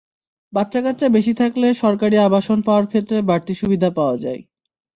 বাচ্চাকাচ্চা বেশি থাকলে সরকারি আবাসন পাওয়ার ক্ষেত্রে বাড়তি সুবিধা পাওয়া যায়।